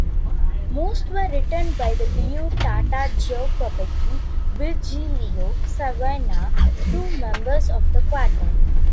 Most were written by the duo Tata Giacobetti-Virgilio Savona, two members of the quartet.